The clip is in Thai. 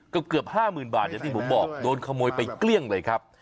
เกือบ๕๐๐๐บาทอย่างที่ผมบอกโดนขโมยไปเกลี้ยงเลยครับ